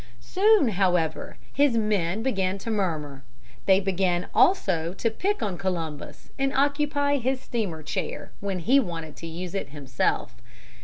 Soon, however, his men began to murmur. They began also to pick on Columbus and occupy his steamer chair when he wanted to use it himself.